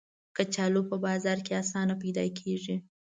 کچالو په بازار کې آسانه پیدا کېږي